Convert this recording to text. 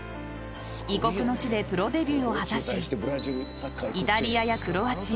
異国の地でプロデビューを果たしイタリアやクロアチア